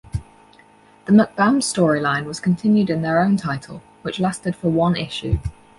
The MacBams storyline was continued in their own title, which lasted for one issue.